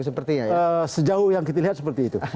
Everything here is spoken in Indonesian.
sejauh yang kita lihat seperti itu